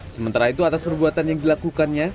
sementara itu atas perbuatan yang dilakukannya